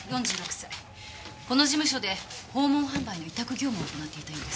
この事務所で訪問販売の委託業務を行っていたようです。